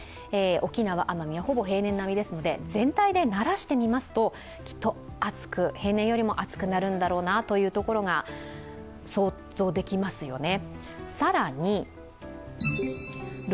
沖縄・奄美はほぼ平年並みですので全体でならしてみますときっと、平年よりも暑くなるんだろうなというところが想像できますよね。